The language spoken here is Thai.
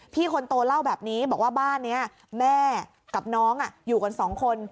คนโตเล่าแบบนี้บอกว่าบ้านนี้แม่กับน้องอยู่กันสองคน